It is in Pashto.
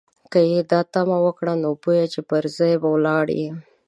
که دې دا تمه وکړه، نو بویه چې پر ځای به ولاړ یې.